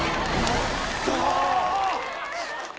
やったー！